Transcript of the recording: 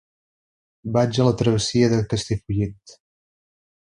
Vaig a la travessia de Castellfollit.